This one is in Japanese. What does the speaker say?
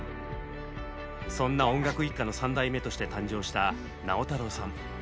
そんな音楽一家の３代目として誕生した直太朗さん。